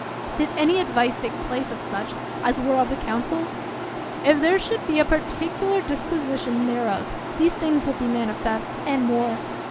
Did any advice take place of such as were of the council ? If there should be a particular disqui sition thereof, these things would be manifest, and more.